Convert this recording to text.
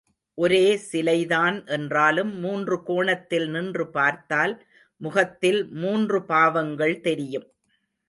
ஒரே சிலைதான் என்றாலும் மூன்று கோணத்தில் நின்று பார்த்தால் முகத்தில் மூன்று பாவங்கள் தெரியும்.